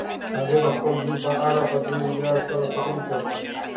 هغې د خپل زوی په اړه په ډېر ویاړ سره خبرې کولې